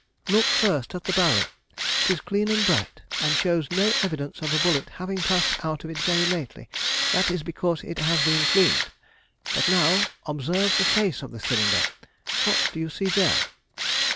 "Look first at the barrel; it is clean and bright, and shows no evidence of a bullet having passed out of it very lately; that is because it has been cleaned. But now, observe the face of the cylinder: what do you see there?"